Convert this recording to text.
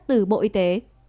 từ bộ y tế